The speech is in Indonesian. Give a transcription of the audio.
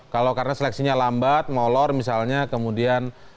kalau karena seleksinya lambat ngolor misalnya kemudian